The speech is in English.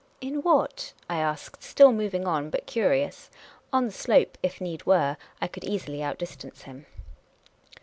" In what ?" I asked, still moving on, but curious. On the slope, if need were, I could easily distance him.